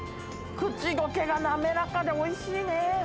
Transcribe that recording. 口どけが滑らかで、おいしいね。